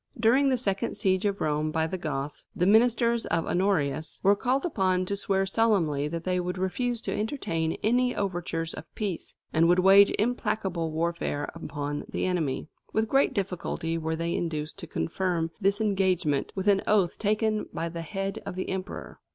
During the second siege of Rome by the Goths, the ministers of Honorius were called upon to swear solemnly that they would refuse to entertain any overtures of peace, and would wage implacable warfare upon the enemy. With great difficulty were they induced to confirm this engagement with an oath taken by the head of the emperor.